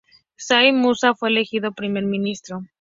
Said Musa fue elegido Primer ministro.